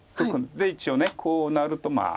で一応こうなるとまあ。